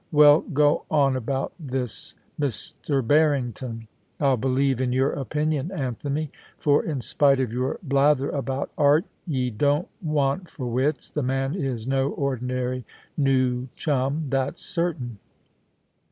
Well, go on about this Mr. Barrington. I'll believe in your opinion, Anthony; for, in spite of your blather about art, ye don't want for wits — the man is no ordinary new chum, that's certain.'